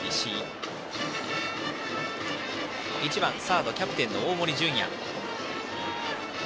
バッター、１番サードキャプテンの大森准弥。